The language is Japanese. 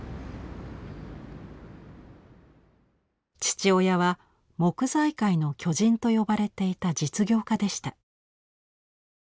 父親は「木材界の巨人」と呼ばれていた実業家でした。